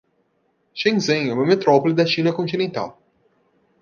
Shenzhen é uma metrópole da China continental